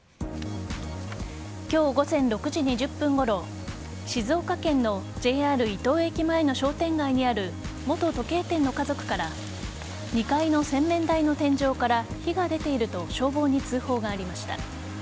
今日午前６時２０分ごろ静岡県のＪＲ伊東駅前の商店街にある元時計店の家族から２階の洗面台の天井から火が出ていると消防に通報がありました。